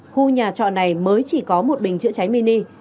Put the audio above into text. khu nhà trọ này mới chỉ có một bình chữa cháy mini